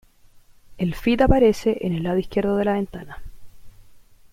El feed aparece en el lado izquierdo de la ventana.